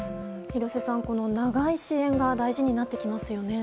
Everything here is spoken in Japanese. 廣瀬さん、長い支援が大事になってきますね。